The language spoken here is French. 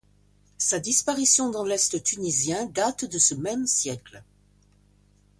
Sa disparition dans l'Est tunisien date de ce même siècle.